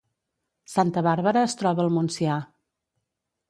Santa Bàrbara es troba al Montsià